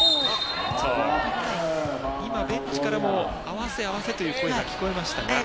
今、ベンチからも合わせ合わせという声が聞こえましたが。